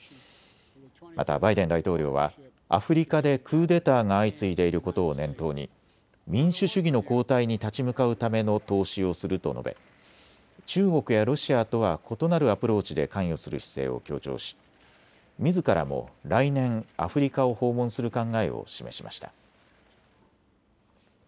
またバイデン大統領はアフリカでクーデターが相次いでいることを念頭に民主主義の後退に立ち向かうための投資をすると述べ、中国やロシアとは異なるアプローチで関与する姿勢を強調し、みずからも来年、アフリカを訪問する考えを示しました。